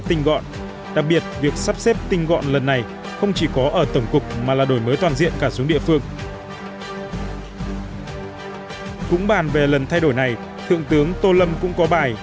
cũng bàn về lần thay đổi này thượng tướng tô lâm cũng có bài